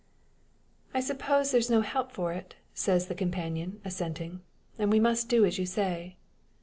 "I suppose there's no help for it," says the companion, assenting, "and we must do as you say."